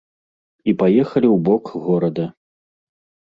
І паехалі ў бок горада.